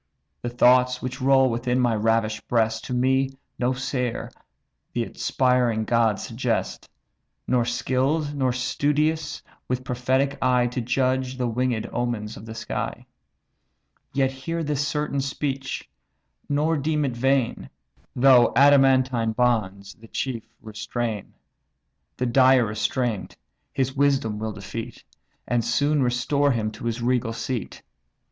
The thoughts which roll within my ravish'd breast, To me, no seer, the inspiring gods suggest; Nor skill'd nor studious, with prophetic eye To judge the winged omens of the sky. Yet hear this certain speech, nor deem it vain; Though adamantine bonds the chief restrain, The dire restraint his wisdom will defeat, And soon restore him to his regal seat.